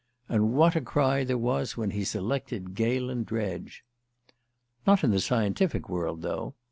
And what a cry there was when he selected Galen Dredge! Not in the scientific world, though.